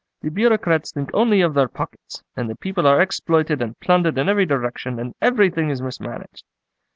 "The Bureaucrats think only of their pockets, and the people are exploited and plundered in every direction, and everything is mismanaged."